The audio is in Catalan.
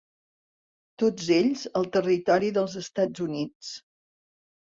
Tots ells al territori dels Estats Units.